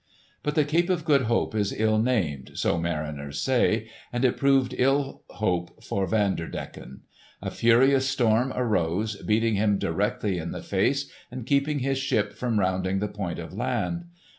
But the Cape of Good Hope is ill named, so mariners say, and it proved ill hope for Vanderdecken. A furious storm arose beating him directly in the face and keeping his ship from rounding the point of land.